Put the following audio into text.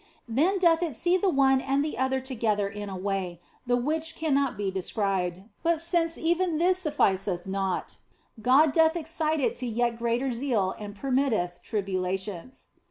Then doth it see the one and the other to gether in a way the which cannot be described, but since even this sufficeth not, God doth excite it to yet greater zeal and permitteth tribulations.